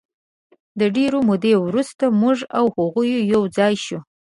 د ډېرې مودې وروسته موږ او هغوی یو ځای شوو.